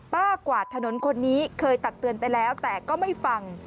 กวาดถนนคนนี้เคยตักเตือนไปแล้วแต่ก็ไม่ฟัง